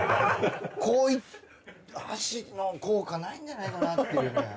こういって箸の効果ないんじゃないかなっていうね。